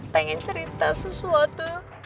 pengen cerita sesuatu